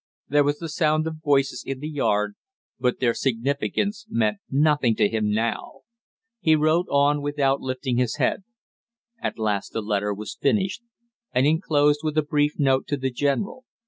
There was the sound of voices in the yard, but their significance meant nothing to him now. He wrote on without lifting his head. At last the letter was finished and inclosed with a brief note to the general.